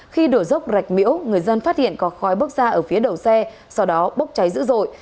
khi đổ dốc rạch miễu người dân phát hiện có khói bốc ra ở phía đầu xe sau đó bốc cháy dữ dội